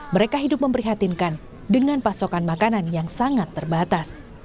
mereka hidup memprihatinkan dengan pasokan makanan yang sangat terbatas